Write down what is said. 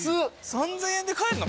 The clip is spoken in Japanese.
３，０００円で買えんの？